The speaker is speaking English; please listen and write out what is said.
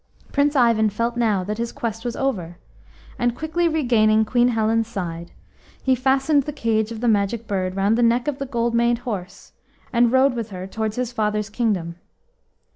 Prince Ivan felt now that his quest was over, and quickly regaining Queen Helen's side, he fastened the cage of the Magic Bird round the neck of the gold maned horse, and rode with her towards his father's kingdom.